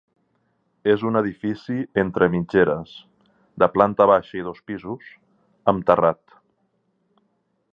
És un edifici entre mitgeres, de planta baixa i dos pisos, amb terrat.